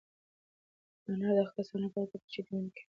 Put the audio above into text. انار د هغو کسانو لپاره ګټور دی چې د وینې کمښت لري.